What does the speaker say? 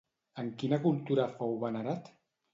En quina cultura fou venerat?